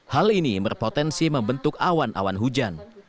hal ini berpotensi membentuk awan awan hujan